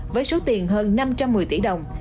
với số tiền hơn năm trăm một mươi tỷ đồng